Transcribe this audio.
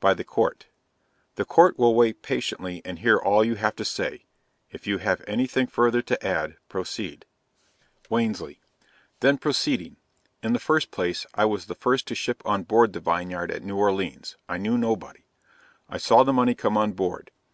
By the Court. The Court will wait patiently and hear all you have to say; if you have any thing further to add, proceed. Wansley then proceeded. In the first place, I was the first to ship on board the Vineyard at New Orleans, I knew nobody; I saw the money come on board.